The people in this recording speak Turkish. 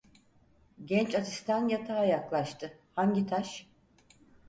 Genç asistan yatağa yaklaştı: Hangi taş?